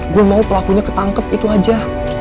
gue mau pelakunya ketangkep itu aja